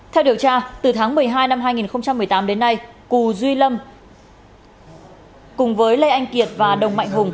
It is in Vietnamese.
theo điều tra từ tháng một mươi hai năm hai nghìn một mươi tám đến nay cù duy lâm cùng với lê anh kiệt và đồng mạnh hùng